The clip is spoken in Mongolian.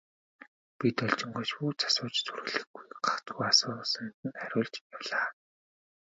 Би Должингоос юу ч асууж зүрхлэхгүй, гагцхүү асуусанд нь хариулж явлаа.